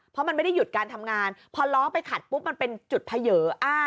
เพราะมันไม่ได้หยุดการทำงานพอล้อไปขัดปุ๊บมันเป็นจุดเผย